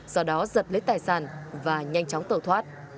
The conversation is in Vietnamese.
do đó giật lấy tài sản và nhanh chóng tẩu thoát